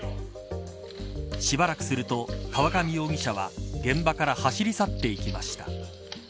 しばらくすると、河上容疑者は現場から走り去っていきました。